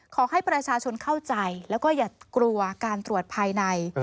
ขอให้ประชาชนเข้าใจแล้วก็อย่ากลัวการตรวจภายใน